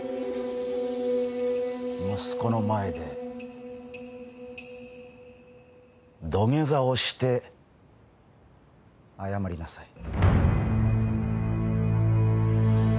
息子の前で土下座をして謝りなさい。